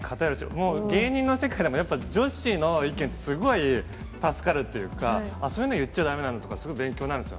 もう芸人の世界でも、やっぱ、女子の意見ってすごい助かるというか、あ、そういうの言っちゃだめなんだとか、すごい勉強になるんですよ。